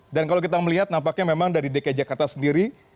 dan kalau kita melihat nampaknya memang dari dki jakarta sendiri